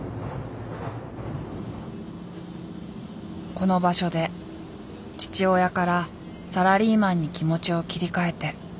この場所で父親からサラリーマンに気持ちを切り替えて。